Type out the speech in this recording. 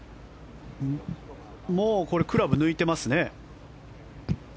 もうクラブを抜いてますね。